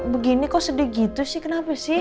begini kok sedih gitu sih kenapa sih